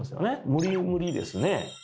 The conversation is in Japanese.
無理無理ですね